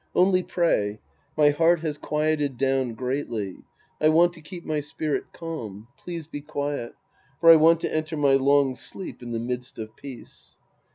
Only pray. My heart has quieted down greatly. I want to keep my spirit calm. Please be quiet. For I want to enter my long sleep in the midst of peace.